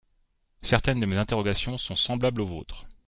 Certaines de mes interrogations sont semblables aux vôtres.